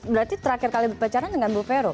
berarti terakhir kali berbicara dengan bu vero